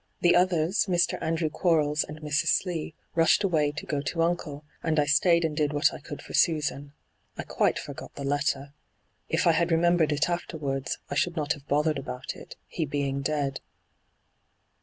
The others, Mr. Andrew Quarles and Mrs. Slee, rushed away to go to uncle, and I stayed and did what I could for Susan ; I quite forgot the letter. If I had remembered it afterwards, I should not have bothered about it, he being dead.'